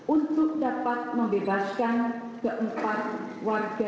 untuk dapat membebaskan keempat warga